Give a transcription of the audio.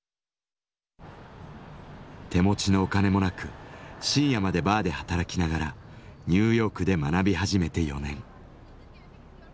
手持ちのお金もなく深夜までバーで働きながらニューヨークで学び始めて４年。